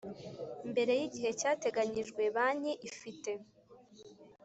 mbere y igihe cyateganyijwe banki ifite